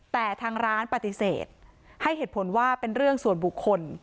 แต่ทางร้านปฏิเสธให้เหตุผลว่าเป็นเรื่องส่วนบุคคล